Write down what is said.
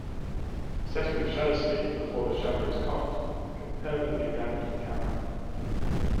Setting the shutter speed before the shutter is cocked can permanently damage the camera.